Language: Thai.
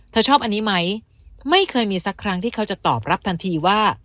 ชอบอันนี้ไหมไม่เคยมีสักครั้งที่เขาจะตอบรับทันทีว่า